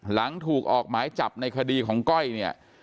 หลังถูกออกหมายจับในคดีของก้อยเนี่ย